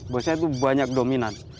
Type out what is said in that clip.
biasanya itu banyak dominan